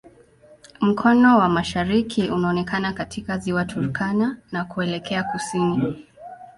Mkono wa mashariki unaonekana katika Ziwa Turkana na kuelekea kusini.